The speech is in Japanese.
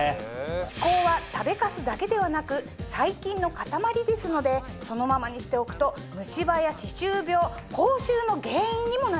歯垢は食べかすだけではなく細菌のかたまりですのでそのままにしておくと虫歯や歯周病口臭の原因にもなります。